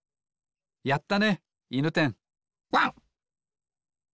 やったねいぬてんワン。